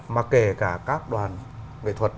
mà kể cả các đoàn nghệ thuật